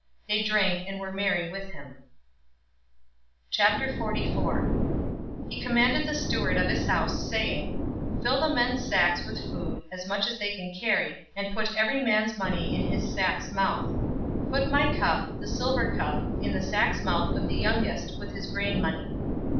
They drank, and were merry with him. 044:001 He commanded the steward of his house, saying, "Fill the men's sacks with food, as much as they can carry, and put every man's money in his sack's mouth. 044:002 Put my cup, the silver cup, in the sack's mouth of the youngest, with his grain money."